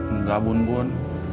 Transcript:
enggak bun bun